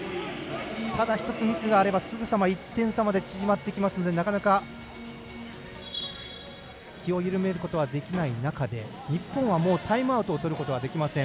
ただ１つミスがあればすぐさま１点差まで縮まってきますのでなかなか、気を緩めることはできない中で日本はタイムアウトをとることができません。